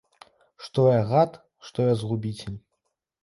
Што я гад, што я згубіцель.